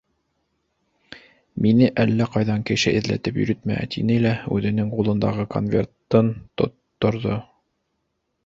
Мине әллә ҡайҙан кеше эҙләтеп йөрөтмә, — тине лә үҙенең ҡулындағы конвертын тотторҙо.